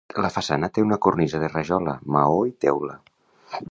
La façana té una cornisa de rajola, maó i teula.